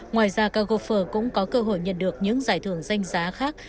ngoài ra các góp phở cũng có cơ hội nhận được những giải thưởng danh giá khác